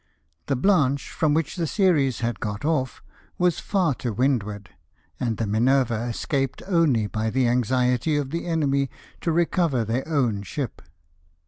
The Blanche, from which the Ceres had got off, was far to windward, and the Minerve escaped only by the anxiety of the enemy to recover their own ship.